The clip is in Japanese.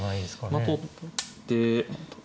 まあ取って。